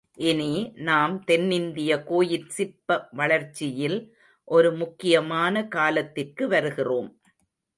இனி நாம் தென்னிந்திய கோயிற் சிற்ப வளர்ச்சியில் ஒரு முக்கியமான காலத்திற்கு வருகிறோம்.